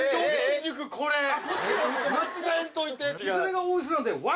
間違えんといて。